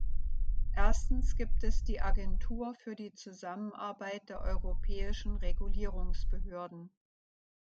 Erstens gibt es die Agentur für die Zusammenarbeit der europäischen Regulierungsbehörden.